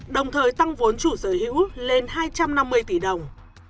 đồng thời tăng vốn chủ sở hữu lên hai trăm năm mươi tỷ đồng